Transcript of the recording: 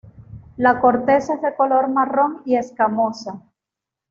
La corteza es de color marrón y escamosa.